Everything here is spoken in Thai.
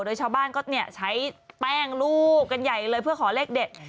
โดยชาวบ้านก็เนี่ยใช้แป้งลูกกันใหญ่เลยเพื่อขอเลขเด็ด